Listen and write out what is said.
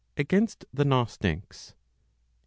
Against the Gnostics. ii.